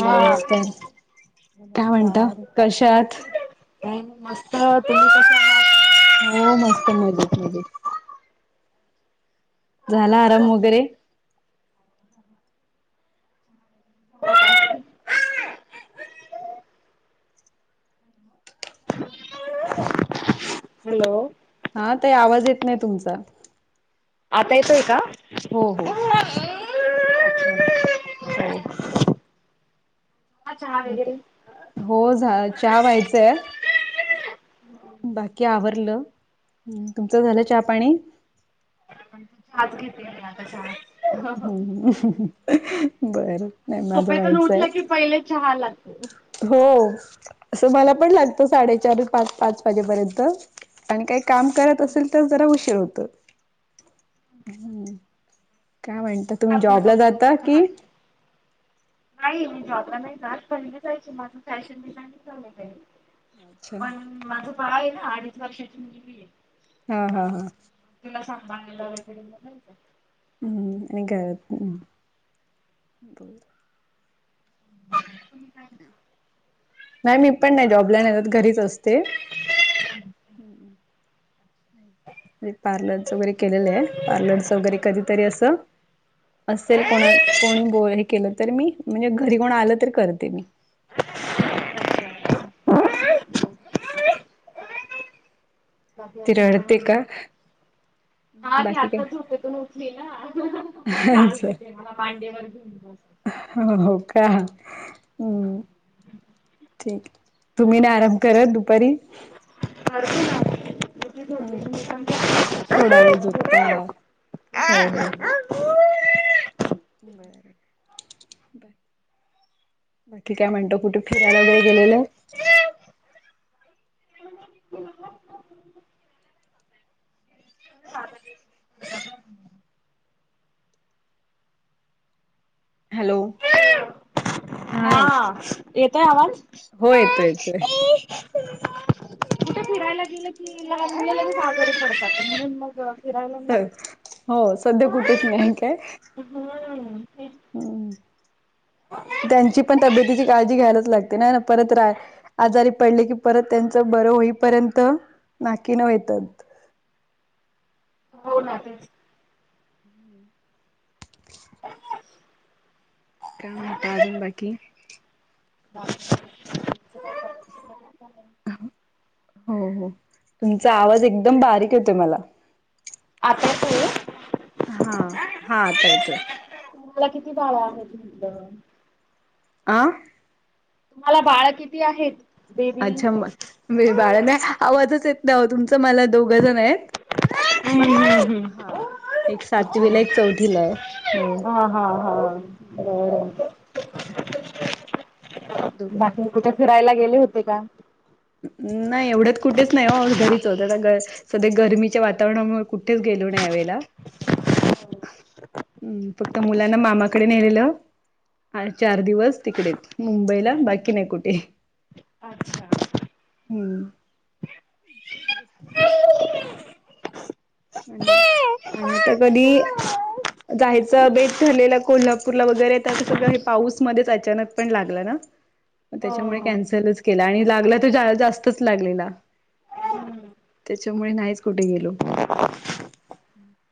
हा नमस्कार काय म्हणता कशा हात काय म मस्त तुम्ही कशा आहात हो मस्त मजेत मजेत झाला आराम वगैरे. हॅलो हा ताई आवाज येत नाय तुमचा आता येतोय का? हो हो हो चहा वगैरे हो झा चहा व्हायचाय बाकी आवरलं. तुमचं झाला चहा पाणी [unintelligible] चहा चं घेते मी आता चहाच हूं हूं बर नाही माझं झोपेतून व्हायचाय. उठलं की पहिले चहा लागतो. हो असं मला पण लागतं साडेचार पाच पाच वाजेपर्यंत आणि काय काम करत असेल तर जरा उशीर होत. हम्म काय म्हवंता [unintelligible] जो पर्यंत चहा पी नाही मी जॉबला नाही जात पहिली जायची माझं फॅशन डिझाईनिगं झालेलयं अच्छा पण माझं बाळ ये ना अडीच वर्षाची मुलगी ये हा हा तर हा तिला सांभाळाला वगैरे म नाय का हम्म आणि घरातपण बर तुम्ही काय करता. नाय मी पण नाय जॉबला नाय जात घरीच असते. हूं मी पार्लरच वगैरे केलेलंये पार्लरचं वगैरे कधीतरी असं असेल कोणा कोणी बो हे केलं तर मी म्हणजे घरी कोण आलं तर करते मी करता बाकी ती अजून काय रडते कां? म्हणता हा ती आत्ता झोपेतून उठली ना म सांगते ती मला मांडीवर घे म्हणून ह हो का हम्म ठीक ये तुम्ही नाय आराम करत दुपारी करते ना आराम मुलगी झोपली की मी पण झोपते. थोडा वेळ झोपता हो हो. बर बाय बाकी काय म्हणता कुठे फिरायला वगैरे गेलेलत. हॅलो हा येतय आवाज हो येतोय हूं कुठे फिरायला गेलं की लहान मुलं लगेच आजारी पडतात म्हणून मग फिरायला ह नाही हो सध्या कुठेच नाही काय? जात. हम् त्यांची पण तब्येतीची काळजी घ्यायलाच लागते नाय ना परत राय आजारी पडले की परत त्यांचं बरं होईपर्यंत नाकी नऊ येता हो ना तेच काय म्हणता अजून बाकी बाकी हो हो तुमचा आवाज एकदम बारीक येतोय मला. आता येतोय हा हा आता येतोय. तुम्हाला किती बाळ आहेत म्हटलं आ तुम्हाला बाळ किती आहेत [unintelligible] अच्छा म बाळा ना आवाजच येत ना तुमच मला दोघं जण आहेत [unintelligible] पण हा एक सातवीला एक चौथीला आहे [unintelligible] हो हो दोघं बाकी कुठे फिरायला गेले होते का [unintelligible] नाही एवढ्यात कुठेच नाही हो घरीच होत सध्या गर्मीच्या वातावरणामुळे कुठेच गेलो ना यावेेळेला हम्म फक्त मुलांना मामाकडे नेलेलं हा चार दिवस तिकडेच मुंबईला बाकी नाही कुठे अच्छा [unintelligible] हम् [unintelligible] हो. आणि नाही आणि आता कधी [unintelligible] जायचं बेत ठरलेलं कोल्हापूरला वगैरे तर कस हे पाऊसमध्येच अचानक पण लागलं ना [unintelligible] मग त्याच्यामुळे कॅन्सलच केला आणि लागला तर जा जास्तच लागलेला त्याच्यामुळे नाहीच कुठे गेलो [unintelligible] हम्म [unintelligible]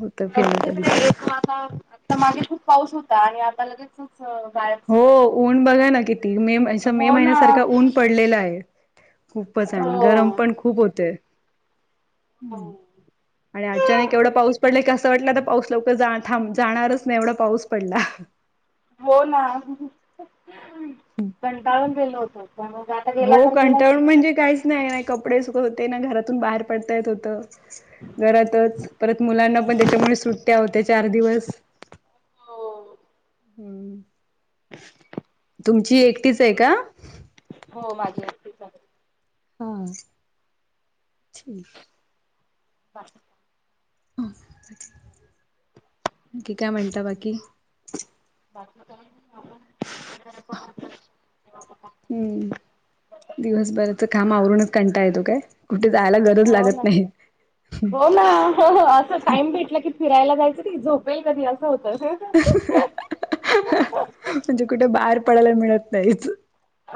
होत फिरणं कधीतरी [unintelligible] ता मागे खूप पाऊस होता आणि आता ल [unintelligible] हो बा [unintelligible] हो ऊन बघा ना किती मे मे हो ना. महिन्यासारखा ऊन पडलेला आहे खूपच आणि गरम हो. पण खूप होतेय आणि अचानक एवढा पाऊस पडलाय की असं वाटलं तर पाऊस लवकर जा थां जाणारच नाही एवढा पाऊस पडला [unintelligible] हो ना कंटाळून गेलो होतो पण मग आ हो कंटाळून म्हणजे काहीच नाही नाही कपडे सुख होते ना घरातून बाहेर पडता येत होत घरातच परत मुलांना पण त्याच्यामुळे सुट्ट्या होत्या चार दिवस हो. हम तुमची एकटीच आहे का हो माझी एकटीच आहे [unintelligible] हा [unintelligible] बाकी की काय म्हणता बाकी बाकी काही आपण [unintelligible] हम्म [unintelligible] दिवसभराचं काम आवरूनच कंटा येतो काय कुठे जायला गरज लागत नाही हो ना हो असं टाइम भेटला की फिरायला जायचं की झोपेल कधी असं होतं म्हणजे कुठे बाहेर पडायला मिळत नाहीच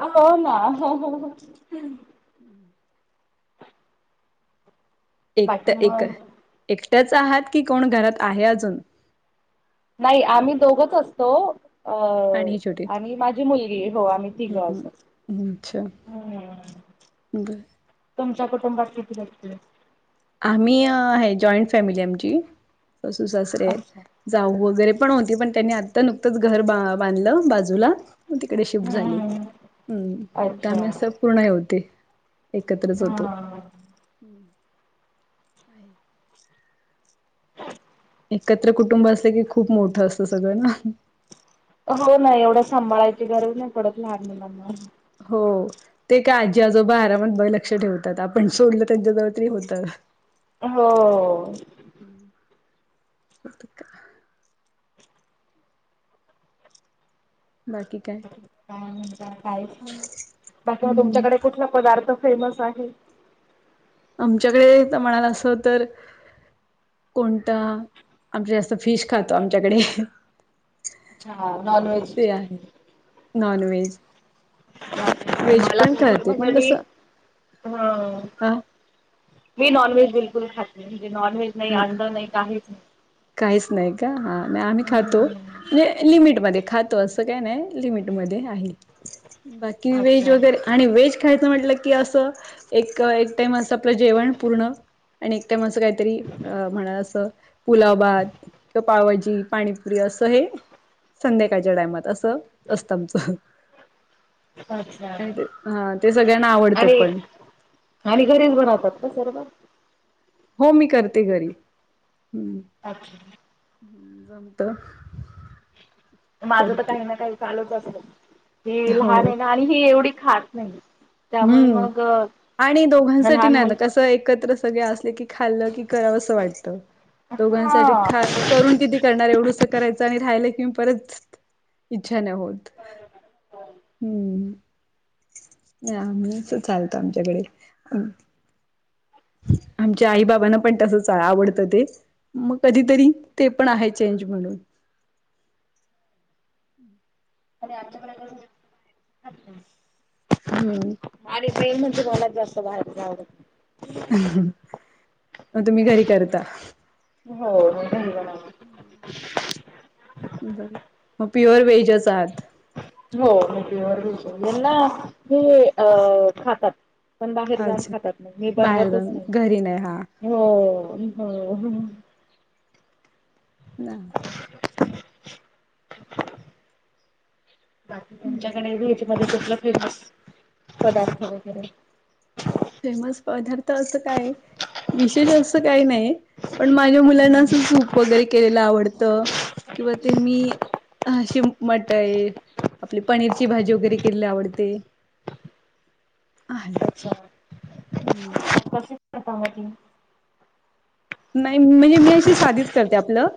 हो ना [unintelligible] हम्म [unintelligible] एक बाकी तर एक मग एकट्याच आहात की कोण घरात आहे अजून नाही आम्ही दोघच असतो अ आणि ही छोटी आणि माझी मुलगी हो आम्ही तिघं असत [unintelligible] ् अच्छा ब [unintelligible] तुमच्या कुटुंबात किती लागतील [unintelligible] आम्ही आहे जॉईंट फॅमिली आमची सासूर सासरे अच्छा आहेत जाऊ वगैरे पण होती पण त्यांनी आता नुकतंच घर बांधलं बाजू बाजूला मग तिकडे शिफ्ट झाले हम्म ह् आही अच्छा अस पूर्ण होते [unintelligible] एकत्रच होतो [unintelligible] हा. एकत्र कुटुंब असत की खूप मोठं असतं सगळं ना [unintelligible] हो नाही एवढं सांभाळायची गरज नाहीकढच लाग म म म हो [unintelligible] ते का आजी आजोबा आरा म्हण लक्ष ठेवतात आपण सोडलं त्यांच्याजवळ तरी होतं हो [unintelligible] ह का? बाकी काय काय बाकी हम्म तुमच्याकडे कुठला पदार्थ फेमस आहे. आमच्याकडे म्हणाला असं तर कोणतं आमच्या जास्त फिश खातो आमच्याकडे अच्छा नॉनव्हेज ते आहे नॉन व्हेज आणि वेज मला पण बिलकुल खते म्हणजे पण तस मी हा. मीॉनव्हेज बिलकल खातली म्हजे ननवहेज ् काहीच नाही का हा नाही आम्ही खातो. म्हणजे लिमिटमध्येध्ये खातो असं काय नाही लिमिटमध्येध्ये आहे. बाकी वेहेज अच्छा वगैरे आणि वेहेज खायचं म्हटलं. की असं एक टाइम असं आपलं जेवण पूर्ण आणि एक टाइम असं काहीतरी अ म्हणा असं पुलाबाद किंवा पावजी पाणीपुरी असं हे. संध्याकाळच्या टायमात असं असतं आमचं. अच्छा आणि ते हा ते सगळ्यांना आवडतं आणि पण आणि घरेच बनवतात ना सर्व हो मी करते घरी हम्म. अच्छा. ह् जमत. माझं तर करते काही ना काही चालूच असत की लहान हो आहेना आणि ही एवढी खास नाही. त्यामुळे हम्म मग आणि दोघांसाठी लहान ना ना मुल कस एकत्र सगळे असले की खाल्ल की करा असं वाटत दोघांसाठी हा. खा. करून किती करणार एवढंस करायचं आणि राहिलं की मी परत इच्छा नाही होत हम्म. नाहीम्च चालतो आमच्याकडे आमच्या आई बाबांना पण तस आवडतं ते मग कधीतरी ते पण आहे चेंज म्हणून अरे आच्यापयंत अच्छा. हम्म. अरे ट्रेन म्हण बलात जास्त बाहेर जावड मग तुम्ही घरी करता. हो. बर प्युअर व्हेज असात. हो यांना हे अ खातात. पण बाहेर जान अच्छा खातात नाही मी बाहेर बनवतच जाऊन नाही घरी नाही हा हो हो. नाही. बाकी तुमच्याकडे वजमध्ये कुठलं फेमस पदार्थ वगैरे फेमस पदार्थ असं काय विशेष अस. काही नाही पण माझ्या मुलांना अस सूप वगैरे केलेलं आवडत. किंवा ते मी अशी मट आहे आपली पनीरची भाजी वगैरे केलेली आवडते. आहे. हम्म. कस करता म ती नाही म्हणजे मी अशी साधीच करते आपलं.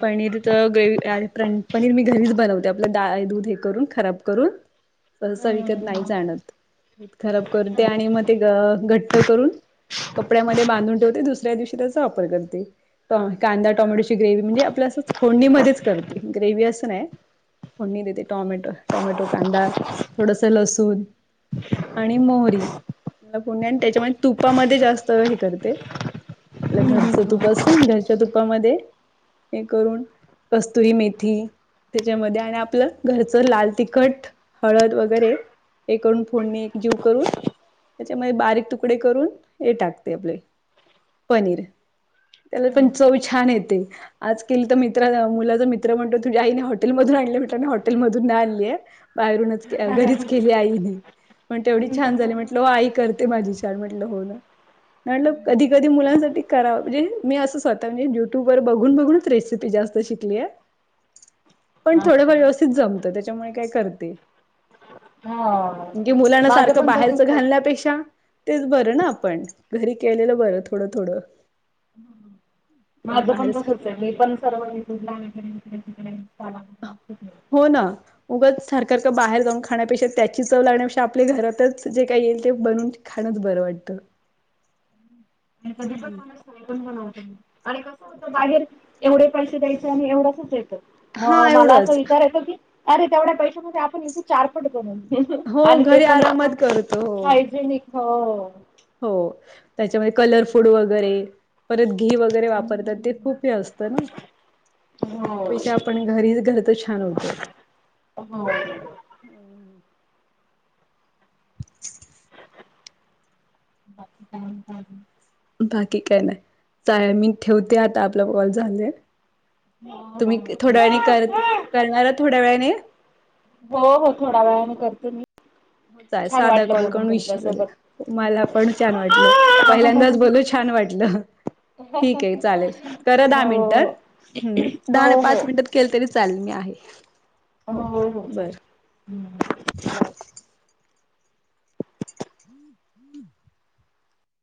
पनीर तर ग्ररे पनीर मी घरीच बनवते आपलं दा दूध हे करून खराब करून सहसा विकत नाही जाणत दूध खराब करून ते आणि मग ते घट्ट करून कपड्यामध्ये बांधून ठेवते दुसऱ्या दिवशी त्याचा वापर करते. कांदा टोमॅटोची ग्रेवही म्हणजे आपल्या असं फोडणीमध्येच करते ग्रेवही असं नाही. फडणी देते टॉमॅटो टॉमॅटो कांदा थोडस लसूण आणि मोहरी मला पुर्ण त्याच्यामध्ये तुपामध्ये जास्त हे करते आपलं घरचं तूप असत घरच्या तुपामध्ये हे करून कस्तुरी मेथी त्याच्यामध्ये आणि आपलं घरचं लाल तिखट हळद वगैरे एकून फोडणी एक जीव करून त्याच्यामध्ये बारीक तुकडे करून हे टाकते आपले पनीर त्याला पण चव छान येते. आज केली तर मित्र मुलाचा मित्र म्हणतो तुझ्या आईने हॉटेल मधून आणले मित्र हॉटेलमधून न आणलीय बाहेरूनच घरीच केली आईने म्हण तेवढी छान झाली म्हटलं आई करते. माझ श म्हट हो म्ह कधी कधी मुलांसाठी करा म्हणजे मी असं स्वतः म्हणजे युट्यूब वर बघून बघूनच रेसिपी जास्त शिकली आहे. पण थोडफार अच्छा व्यवस्थित जमतं त्याच्यामुळे काय करते. हा म्हणजे मुलाना माझं सारखं पण बाहेरच तसच आहे. घालण्यापेक्षा तेच बरं ना आपण घरी केलेलं बरं थोडं थोडं त्यांना माझं पण बाहेर तसच आहे मी पण सर्वूनक हो ना‌ उगच सरखं का बाहेर जाऊन खाण्यापेक्षा त्याची चव लागण्यापेक्षा आपल्या घरातच जे काही येईल ते बनून खाणच बरं वाटत. [unintelligible] आम्ही पण बनवतो आणि कस होत बाहेर एवढे पैसे द्यायचे आणि एवढंसच येतं. मग हा मला असं एवढंच विचारायचं की अरे तेवढ्या पैशा म्हण आपण इ चारपट बून हो आणि ते घरी पण एकदम आरामात करतो हो हायजेनिक हो हो त्याच्यामध्ये कलर फूड वगैरे परत घी वगैरे वापरतात ते खूप हे असत ना हो त्यापेक्षा पण घरीच घर तर छान होतं. बाकी काय नाही. बाकी काय नाही चालेल मी ठेवते आता आपला कॉल झालेय. तुम्ही थोड्या वेळाने कर करणार थोड्या वेळाने हो हो थोडा वेळाने करतो मी. [unintelligible] होय छान साधा वाटलं कॉल बोलून करून विषय तुमच्यासोबत बदला मला पण छान वाटलं पहिल्यांदाच बोलून छान वाटलं. ठीक आहे चालेल करा दहा हो मिनटात दहा हो नाही हो पाच मिनटात केलं तरी चालेल मी आहे. हो होच ह बरं. चालेल.